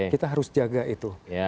kita harus jaga itu